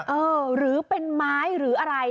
เออหรือเป็นไม้หรืออะไร